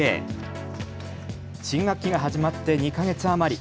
新学期が始まって２か月余り。